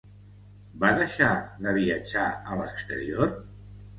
Va deixar de viatjar a l'exterior?